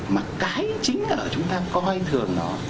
mà cái chính ở chúng ta coi thường nó